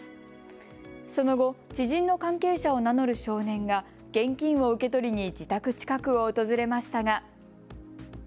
その後、知人の関係者を名乗る少年が現金を受け取りに自宅近くを訪れましたが。